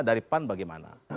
dari pan bagaimana